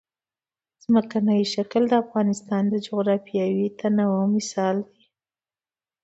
ځمکنی شکل د افغانستان د جغرافیوي تنوع مثال دی.